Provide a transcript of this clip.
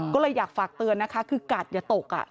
ก็เลยอยากฝากเตือนนะคะคือกัดอย่าตก